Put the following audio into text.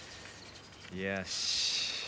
よし。